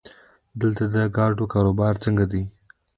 دلته د ګاډو کاروبار څنګه دی؟